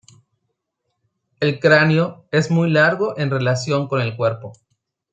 El cráneo es muy largo en relación con el cuerpo.